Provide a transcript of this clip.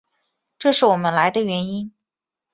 这是我们来的原因。